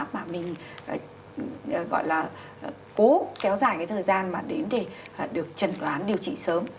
mà mình gọi là cố kéo dài cái thời gian mà đến để được trần đoán điều trị sớm